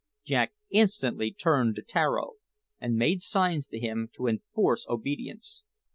Jack instantly turned to Tararo and made signs to him to enforce obedience.